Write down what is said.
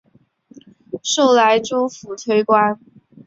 授莱州府推官。